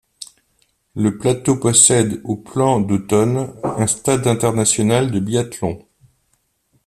Le plateau possède aux Plans d'Hotonnes, un stade international de biathlon.